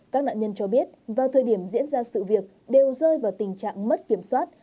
các nạn nhân cho biết vào thời điểm diễn ra sự việc đều rơi vào tình trạng mất kiểm soát